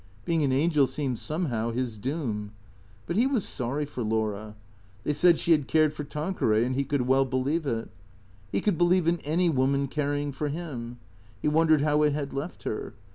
Being an angel seemed somehow his doom. But he was sorry for Laura. They said she had cared for Tan queray; and he could well believe it. He could believe in any woman caring for Him. He wondered how it had left her.